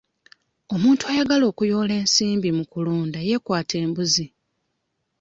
Omuntu ayagala okuyoola ensimbi mu kulunda yeekwate embuzi.